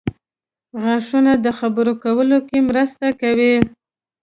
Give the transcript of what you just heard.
• غاښونه د خبرو کولو کې مرسته کوي.